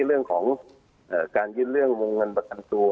เรื่องของการยื่นเรื่องวงเงินประกันตัว